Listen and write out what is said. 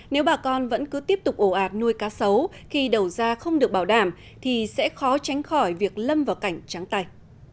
nếu bà con vẫn cứ tiếp tục ổ ạt nuôi cá sấu khi đầu ra không được bảo đảm thì sẽ khó tránh khỏi việc lâm vào cảnh trắng tay